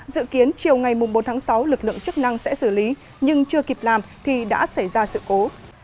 dự kiến chiều ngày bốn tháng sáu lực lượng chức năng sẽ xử lý nhưng chưa kịp làm thì đã xảy ra sự cố